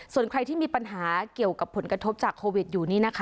ส่วนใครที่มีปัญหาเกี่ยวกับผลกระทบจากโควิดอยู่นี่นะคะ